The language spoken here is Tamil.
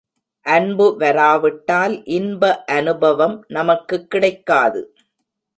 அன்பு வராவிட்டால் இன்ப அநுபவம் நமக்குக் கிடைக்காது.